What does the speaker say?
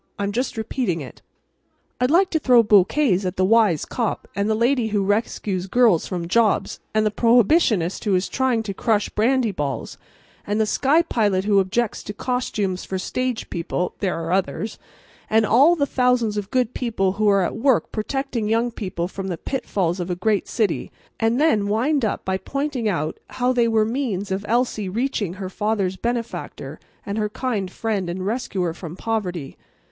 I'm just repeating it. I'd like to throw bouquets at the wise cop, and the lady who rescues Girls from Jobs, and the prohibitionist who is trying to crush brandy balls, and the sky pilot who objects to costumes for stage people (there are others), and all the thousands of good people who are at work protecting young people from the pitfalls of a great city; and then wind up by pointing out how they were the means of Elsie reaching her father's benefactor and her kind friend and rescuer from poverty.